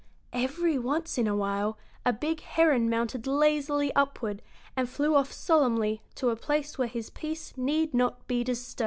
Every once in a while a big heron mounted lazily upward and flew off solemnly to a place where his peace need not be disturbed.